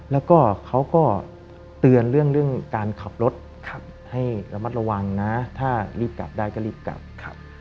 แล้วก็เขาก็เตือนเรื่องการขับรถให้ระมัดระวังนะถ้ารีบกลับได้ก็รีบกลับครับ